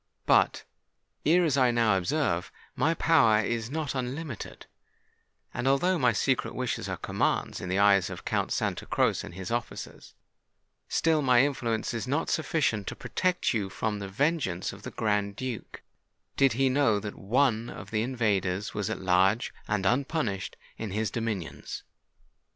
But, as I ere now observed, my power is not unlimited; and although my secret wishes are commands in the eyes of Count Santa Croce and his officers, still my influence is not sufficient to protect you from the vengeance of the Grand Duke, did he know that one of the invaders was at large and unpunished in his dominions.